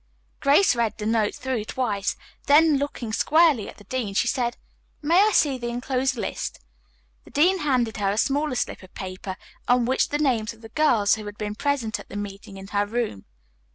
Grace read the note through twice, then, looking squarely at the dean, she said: "May I see the enclosed list?" The dean handed her a smaller slip of paper on which appeared the names of the girls who had been present at the meeting in her room.